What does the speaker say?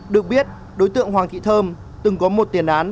được biết đối tượng hoàng thị thơm từng có một tiền án